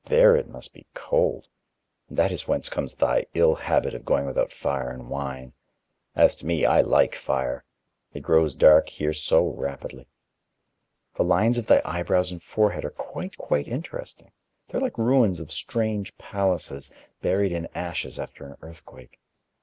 There it must be cold ... and that is whence comes thy ill habit of going without fire and wine. As to me, I like fire; it grows dark here so rapidly.... The lines of thy eyebrows and forehead are quite, quite interesting: they are like ruins of strange palaces, buried in ashes after an earthquake.